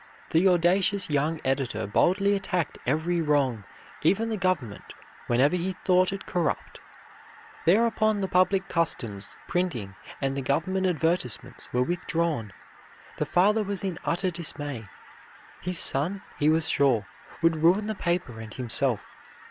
The audacious young editor boldly attacked every wrong, even the government, whenever he thought it corrupt. Thereupon the public customs, printing, and the government advertisements were withdrawn. The father was in utter dismay. His son, he was sure, would ruin the paper and himself.